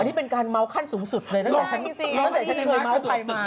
อันนี้เป็นการเมาส์ขั้นสูงสุดเลยตั้งแต่ฉันเคยเมาส์ใครมา